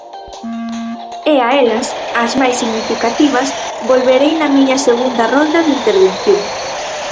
E a elas, ás máis significativas volverei na miña segunda rolda de intervención.